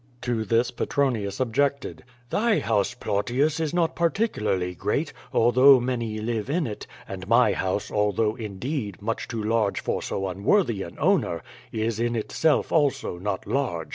To this Petronius objected: "Thy house, Plautius, is not particularly great, although many live in it; and my house, although, indeed, much too large for so unworthy an owner, is in itself, also, not large.